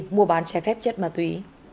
mua bán trái phép chất ma túy